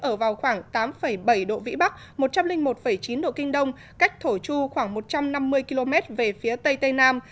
ở vào khoảng tám bảy độ vĩ bắc một trăm linh một chín độ kinh đông cách thổ chu khoảng một trăm năm mươi km về phía tây tây nam